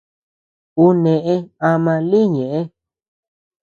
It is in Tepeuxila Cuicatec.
Ú nëʼe ama lï ñëʼe.